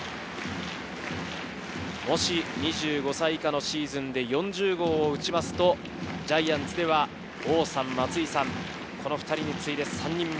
もし２５歳以下のシーズンで４０号を打ちますとジャイアンツでは王さん、松井さん、この２人に次いで３人目。